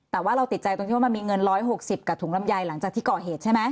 แต่ว่าเราติดใจตรงที่ว่ามันมีเงิน๑๖๐กับถุงลำไยหลังจากที่ก่อเหตุใช่ไหม